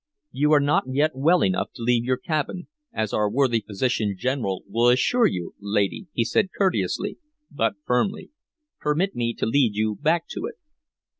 "You are not yet well enough to leave your cabin, as our worthy physician general will assure you, lady," he said courteously, but firmly. "Permit me to lead you back to it."